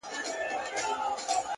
صبر د سترو خوبونو ساتونکی دی!